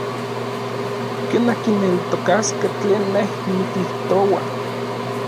¿ken ankineltokaskej tlen nej nikijtoua?